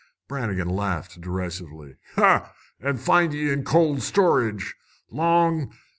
Brannigan laughed derisively. "An' find ye in cold storage, Long!